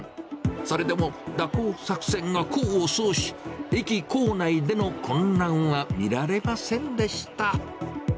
それでも、蛇行作戦が功を奏し、駅構内での混乱は見られませんでした。